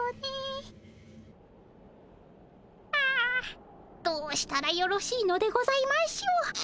あどうしたらよろしいのでございましょう。